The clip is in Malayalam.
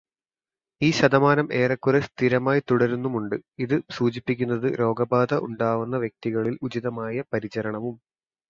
ഈ ശതമാനം ഏറെക്കുറെ സ്ഥിരമായി തുടരുന്നുമുണ്ട്.ഇത് സൂചിപ്പിക്കുന്നത് രോഗബാധ ഉണ്ടാവുന്ന വ്യക്തികളില് ഉചിതമായ പരിചരണവും